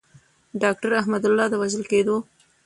داکتر احمد الله د وژل کیدو.